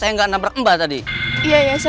akhirnya nyala juga nih mobil